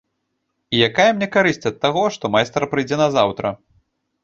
І якая мне карысць ад таго, што майстар прыйдзе назаўтра?